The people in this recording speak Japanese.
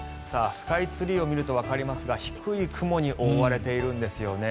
スカイツリーを見るとわかりますが低い雲に覆われているんですね。